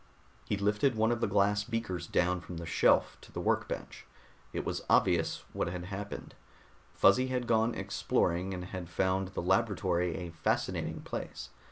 He lifted one of the glass beakers down from the shelf to the work bench. It was obvious what had happened. Fuzzy had gone exploring and had found the laboratory a fascinating place.